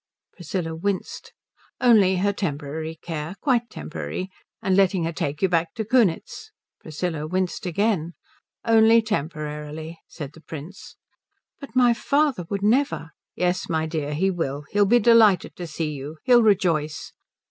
Priscilla winced. "Only her temporary care. Quite temporary. And letting her take you back to Kunitz." Priscilla winced again. "Only temporarily," said the Prince. "But my father would never " "Yes my dear, he will. He'll be delighted to see you. He'll rejoice."